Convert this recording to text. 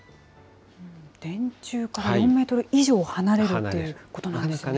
電柱から４メートル以上離れるということなんですね。